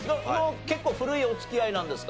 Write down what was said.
結構古いお付き合いなんですか？